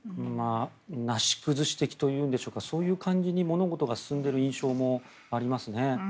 なし崩し的というんでしょうかそういう感じに物事が進んでいる印象もありますね。